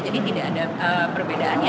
jadi tidak ada perbedaannya